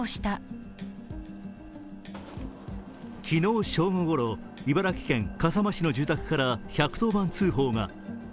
昨日正午ごろ、茨城県笠間市の住宅から１１０番通報が。